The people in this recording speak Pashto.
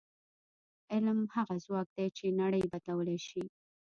علم هغه ځواک دی چې نړۍ بدلولی شي.